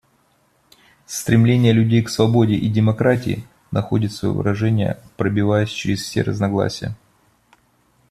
Стремление людей к свободе и демократии находит свое выражение, пробиваясь через все разногласия.